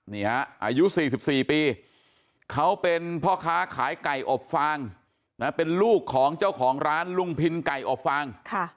อายุ๔๔ปีเขาเป็นพ่อค้าขายไก่อบฟางนะเป็นลูกของเจ้าของร้านลุงพินไก่อบฟาง